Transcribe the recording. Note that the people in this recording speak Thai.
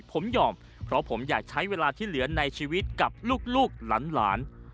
ผมยอมเพราะผมอยากใช้เวลาที่เหลือในชีวิตกับลูกหลาน